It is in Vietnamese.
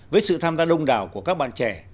với sự tham gia đông đảo của các bạn trẻ